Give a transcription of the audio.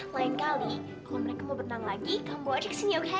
lain kali kalau mereka mau berenang lagi kamu bawa aja ke senyum